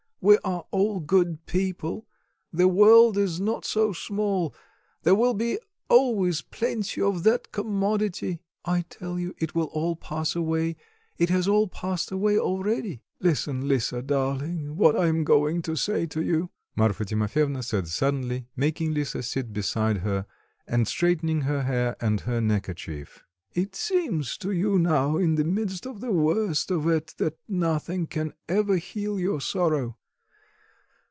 we are all good people, the world is not so small, there will be always plenty of that commodity." "I tell you, it will all pass away, it has all passed away already." "Listen, Lisa, darling, what I am going to say to you," Marfa Timofyevna said suddenly, making Lisa sit beside her, and straightening her hair and her neckerchief. "It seems to you now in the mist of the worst of it that nothing can ever heal your sorrow.